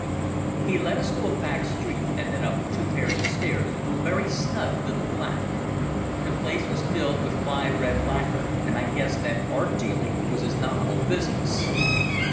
He led us to a back street and then up two pairs of stairs to a very snug little flat. The place was filled with fine red lacquer, and I guessed that art dealing was his nominal business.